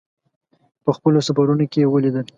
په خپلو سفرونو کې یې ولیدل.